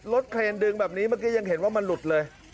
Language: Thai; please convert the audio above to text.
เครนดึงแบบนี้เมื่อกี้ยังเห็นว่ามันหลุดเลย